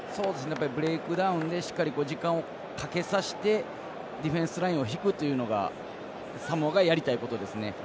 ブレイクダウンでしっかり時間をかけさせてディフェンスラインを引くというのがサモアがやりたいことですね。